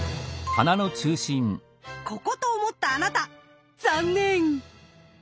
ここと思ったあなた残念。